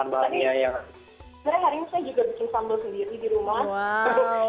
sebenarnya hari ini saya juga bikin sambal sendiri di rumah